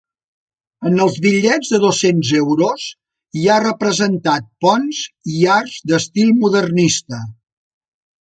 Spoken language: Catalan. En els bitllets de dos-cents euros hi ha representat ponts i arcs d'estil modernista.